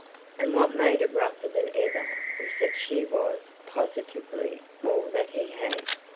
And what made it rougher than ever was that she was positively all that he had.